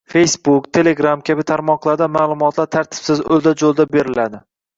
Feysbuk, telegramm kabi tarmoqlarda ma’lumotlar tartibsiz, o‘lda-jo‘lda beriladi.